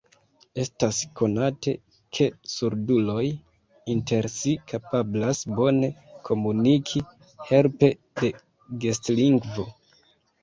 Estas konate, ke surduloj inter si kapablas bone komuniki helpe de gestlingvo.